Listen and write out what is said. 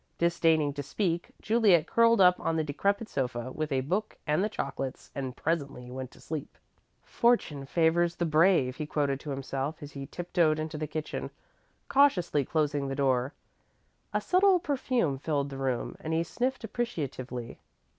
Disdaining to speak, Juliet curled up on the decrepit sofa with a book and the chocolates, and presently went to sleep. "Fortune favours the brave," he quoted to himself, as he tiptoed into the kitchen, cautiously closing the door. A subtle perfume filled the room and he sniffed appreciatively.